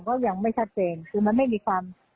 ก็ยังไม่ชัดเจนคือมันไม่มีความ